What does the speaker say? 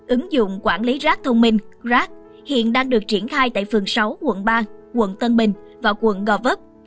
ứng dụng quản lý rác thông minh rac hiện đang được triển khai tại phường sáu quận ba quận tân bình và quận gò vấp